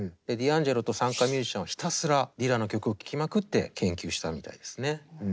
ディアンジェロと参加ミュージシャンはひたすらディラの曲を聴きまくって研究したみたいですね。